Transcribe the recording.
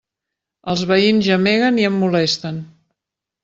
Els veïns gemeguen i em molesten.